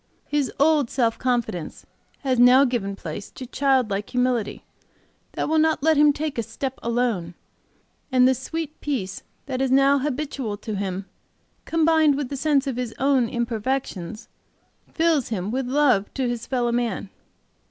"His old self confidence has now given place to child like humility that will not let him take a step alone, and the sweet peace that is now habitual to him combined with the sense of his own imperfections, fills him with love to his fellow man.